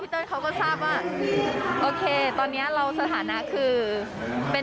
เต้ยเขาก็ทราบว่าโอเคตอนนี้เราสถานะคือเป็น